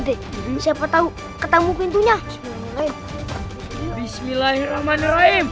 deh ini siapa tahu ketemu pintunya bismillahirrahmanirrahim